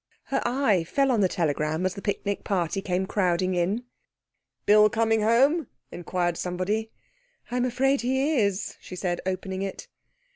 Her eye fell on the telegram as the picnic party came crowding in. "Bill coming home?" inquired somebody. "I'm afraid he is," she said, opening it.